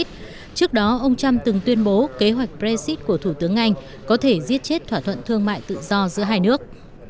trước đó ông trump từng tuyên bố kế hoạch brexit của thủ tướng anh có thể giết chết thỏa thuận thương mại tự do giữa hai nước